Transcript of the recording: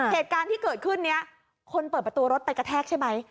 เหตุการณ์ที่เกิดขึ้นนี้คนเปิดประตูรถไปกระแทกใช่ไหม